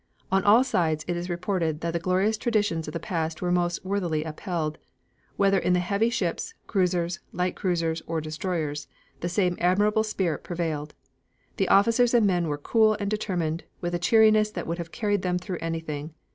On all sides it is reported that the glorious traditions of the past were most worthily upheld; whether in the heavy ships, cruisers, light cruisers, or destroyers, the same admirable spirit prevailed. The officers and men were cool and determined, with a cheeriness that would have carried them through anything.